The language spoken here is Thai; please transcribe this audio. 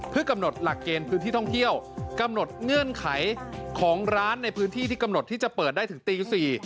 เพื่อกำหนดหลักเกณฑ์พื้นที่ท่องเที่ยวกำหนดเงื่อนไขของร้านในพื้นที่ที่กำหนดที่จะเปิดได้ถึงตี๔